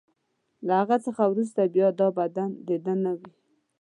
له هغه څخه وروسته بیا دا بدن د ده نه وي.